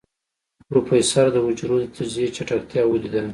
پروفيسر د حجرو د تجزيې چټکتيا وليدله.